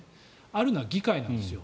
あるのは議会なんですよ。